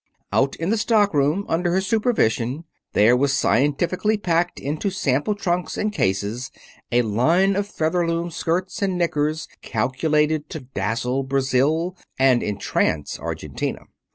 Out in the stock room, under her supervision, there was scientifically packed into sample trunks and cases a line of Featherloom skirts and knickers calculated to dazzle Brazil and entrance Argentina.